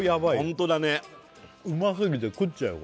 ホントだねうますぎて食っちゃうよ